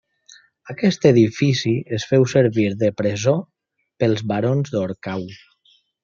Aquest edifici es féu servir de presó pels barons d'Orcau.